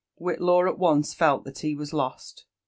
WhiUaw at once felt that he was lost.